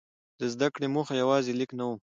د زده کړې موخه یوازې لیک نه وه.